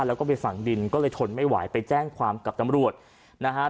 แล้วก็ไปฝังดินก็เลยทนไม่ไหวไปแจ้งความกับตำรวจนะฮะ